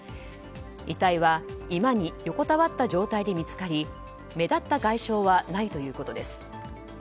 遺体は居間に横たわった状態で見つかり目立った外傷はないということです。